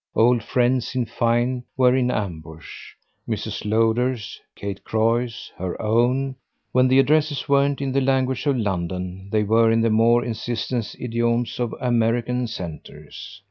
Old friends in fine were in ambush, Mrs. Lowder's, Kate Croy's, her own; when the addresses weren't in the language of London they were in the more insistent idioms of American centres.